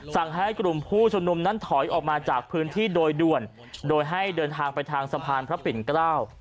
ให้กลุ่มผู้ชมนุมนั้นถอยออกมาจากพื้นที่โดยด่วนโดยให้เดินทางไปทางสะพานพระปิ่นเกล้า